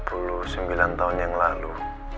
dua puluh sembilan tahun yang lalu